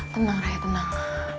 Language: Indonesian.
tenang raya tenang